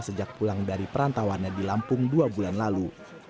sejak pulang dari perantauannya di lampung dua bulan lalu